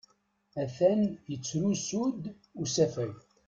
Atan yettrusu-d usafag.